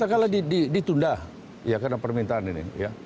katakanlah ditunda ya karena permintaan ini